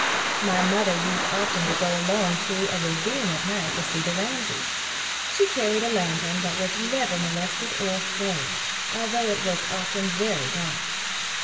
My mother used often to go alone through a ravine at night to see the Ramsey's. She carried a lantern but was never molested or afraid although it was often very dark.